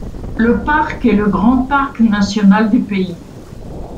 Le parc est le grand parc national du pays.